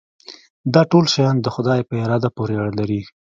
دا ټول شیان د خدای په اراده پورې اړه لري.